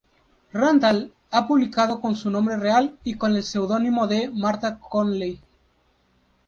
Randall ha publicado con su nombre real y con el seudónimo de Martha Conley.